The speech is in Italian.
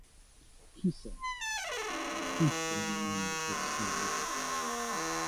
Chi sa: tutto nel mondo è possibile.